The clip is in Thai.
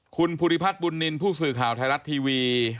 คุณภูริพัฒน์บุญนินทร์ผู้สื่อข่าวไทยรัฐทีวี